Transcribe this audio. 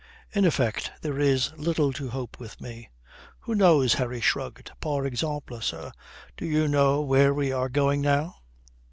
In effect, there is little to hope with me." "Who knows?" Harry shrugged. "Par exemple, sir, do you know where we are going now?"